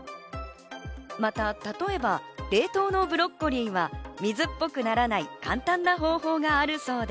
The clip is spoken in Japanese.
また例えば、冷凍のブロッコリーは水っぽくならない簡単な方法があるそうで。